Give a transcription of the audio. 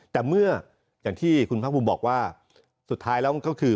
แต่เมื่ออย่างที่คุณภาคภูมิบอกว่าสุดท้ายแล้วก็คือ